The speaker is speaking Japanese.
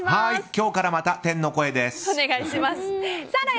今日から、また天の声です。